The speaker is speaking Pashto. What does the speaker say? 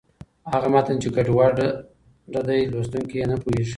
هغه متن چې ګډوډه دی، لوستونکی یې نه پوهېږي.